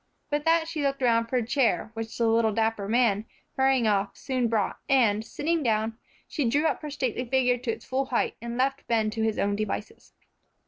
With that she looked around for a chair, which the little dapper man, hurrying off, soon brought, and, sitting down, she drew up her stately figure to its full height, and left Ben to his own devices.